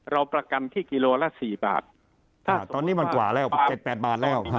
เราประกันที่กิโลละ๔บาทตอนนี้มันกว่าแล้ว๗๘บาทแล้ว